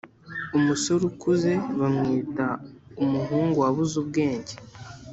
Umusore ukuze bamwita umuhungu wabuze ubwenge